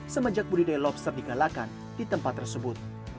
semenjak budidaya lobster digalakan di tempat tersebut